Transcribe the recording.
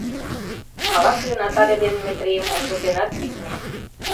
Ала-кӧ Натале ден Метрийым ончылтенат, витне.